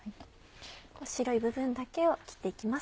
白い部分だけを切って行きます。